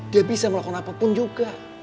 dia bisa melakukan apapun juga